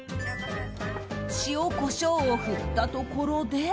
塩、コショウを振ったところで。